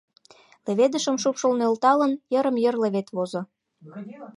Леведышым шупшыл нӧлталын, йырым-йыр левед возо.